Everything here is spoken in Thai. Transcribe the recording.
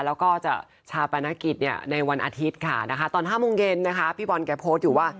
แล้วก็จะชาปนกิจในวันอาทิตย์ค่ะตอน๕โมงเย็นพี่บอลแกโพสต์อยู่ว่า